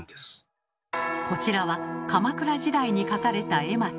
こちらは鎌倉時代に描かれた絵巻。